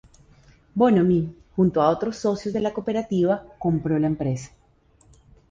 Bonomi, junto a otros socios de la cooperativa, compró la empresa.